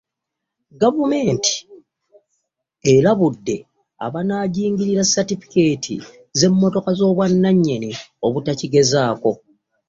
Gavumenti erabudde abanaagingirira sitiika z'emmotoka az'obwannannyini obutakigezaako